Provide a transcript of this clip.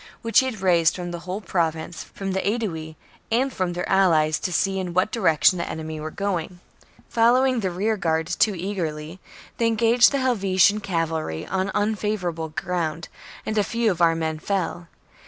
which he had raised from the whole Province, from the Aedui, and from their allies, to see in what direction the enemy were going. Following the rearguard too eagerly, they engaged the Hel vetian cavalry on unfavourable ground, and a few of our men fell.